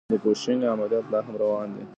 د پوشکين عمليات لا هم روان دي.